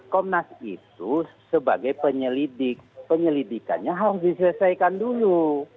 komnas itu sebagai penyelidik penyelidikannya harus diselesaikan dulu